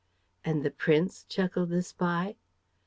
"And the prince?" chuckled the spy.